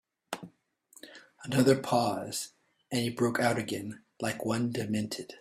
Another pause, and he broke out again like one demented.